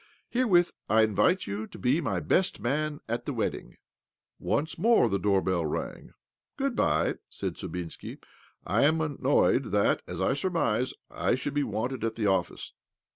Herewith I invite: you to be my best man at the wiedding." Once more the doorbell rang. "Good bye," said Sudbinski. "I am annoyed that, as I surmise, I should be wanted at the office."